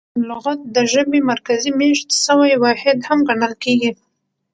لغت د ژبي مرکزي مېشت سوی واحد هم ګڼل کیږي.